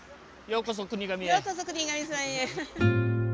ようこそ国頭村へ。